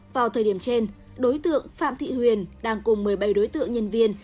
vào thời điểm trên đối tượng phạm thị huyền đang cùng một mươi bảy đối tượng nhân viên